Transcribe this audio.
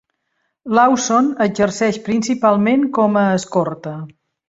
Lawson exerceix principalment com a escorta.